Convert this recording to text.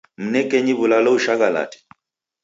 Mnekenyi w'ulalo ushaghalate.